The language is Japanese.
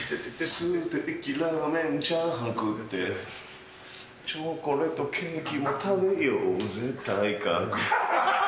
ステーキ、ラーメン、チャーハン食って、チョコレートケーキも食べようぜ、体格。